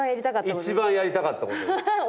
一番やりたかったことです。